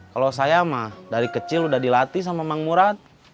kalau saya mah dari kecil udah dilatih sama mang murad